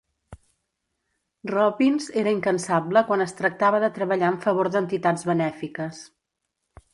Robbins era incansable quan es tractava de treballar en favor d'entitats benèfiques.